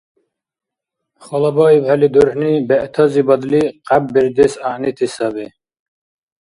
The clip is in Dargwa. ХалабаибхӀели дурхӀни бегӀтазибадли къяббердес гӀягӀнити саби.